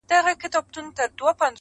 د د سترگو تور دې داسې تور وي,